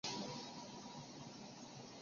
武林黑道的三大凶地之一。